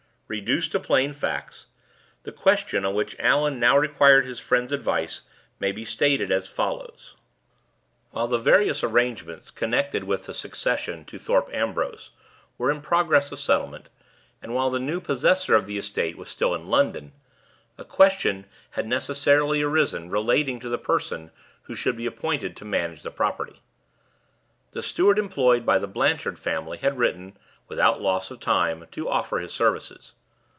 Reduced to plain facts, the question on which Allan now required his friend's advice may be stated as follows: While the various arrangements connected with the succession to Thorpe Ambrose were in progress of settlement, and while the new possessor of the estate was still in London, a question had necessarily arisen relating to the person who should be appointed to manage the property. The steward employed by the Blanchard family had written, without loss of time, to offer his services.